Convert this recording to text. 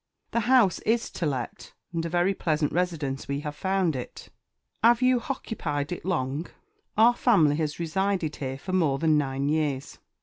"The house is to let and a very pleasant residence we have found it." "'Ave you _h_occupied it long?" "Our family has resided here for more than nine years."